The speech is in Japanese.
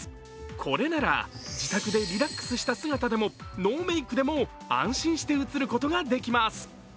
これなら自宅でリラックスした姿でもノーメイクでも安心して映ることができます。